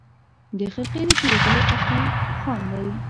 د خرقې د پېرودلو عقل خام دی